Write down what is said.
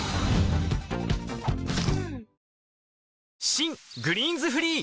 新「グリーンズフリー」